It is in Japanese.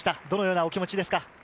どのようなお気持ちですか。